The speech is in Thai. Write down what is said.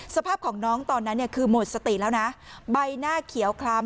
สภาพของน้องตอนนั้นเนี่ยคือหมดสติแล้วนะใบหน้าเขียวคล้ำ